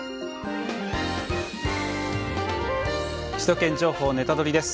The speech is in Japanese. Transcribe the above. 「首都圏情報ネタドリ！」です。